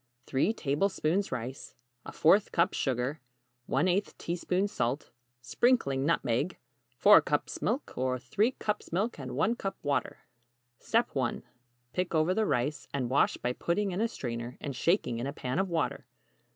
3 tablespoons rice ¼ cup sugar 1/8 teaspoon salt sprinkling nutmeg 4 cups milk, or 3 cups milk and 1 cup water 1. Pick over the rice, and wash by putting in a strainer and shaking in a pan of water.